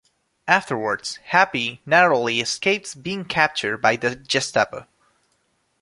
Afterwards, Happy narrowly escapes being captured by the Gestapo.